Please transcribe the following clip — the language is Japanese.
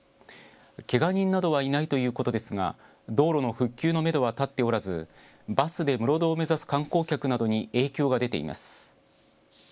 けが人などはいないということですが道路の復旧のめどは立っておらずバスで室堂を目指す観光客などに影響が出ています。